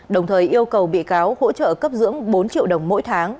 đồng thời yêu cầu bị cáo hỗ trợ cấp dưỡng bốn triệu đồng mỗi tháng